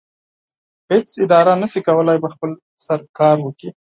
هیڅ اداره نشي کولی په خپل سر کار وکړي.